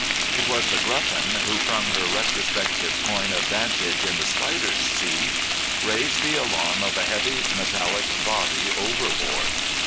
It was The Gruffin who, from her retrospective coign of vantage in the spider seat, raised the alarm of a heavy metallic body overboard.